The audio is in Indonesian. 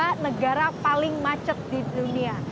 kemudian jakarta secara spesifik ini memasuki peringkat kedua